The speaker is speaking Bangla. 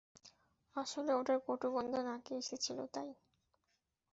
আসলে ওটার কটু গন্ধ নাকে এসেছিল, তাই।